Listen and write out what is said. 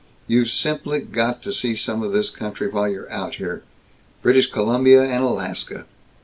You've simply got to see some of this country while you're out here British Columbia and Alaska."